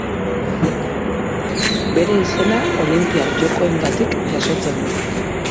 Bere izena Olinpiar Jokoengatik jasotzen du.